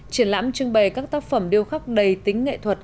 triển lãm trưng bày các tác phẩm điêu khắc đầy tính nghệ thuật